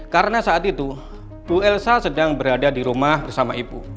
karena saat itu bu elsa sedang berada di rumah bersama ibu